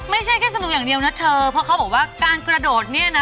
ไม่ใช่แค่สนุกอย่างเดียวนะเธอเพราะเขาบอกว่าการกระโดดเนี่ยนะ